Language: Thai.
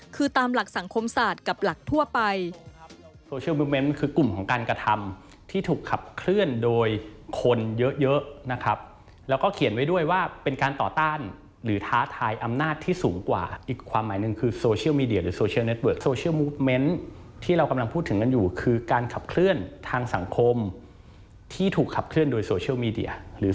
คือตามหลักสังคมศาสตร์กับหลักทั่วไป